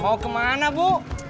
mau kemana bu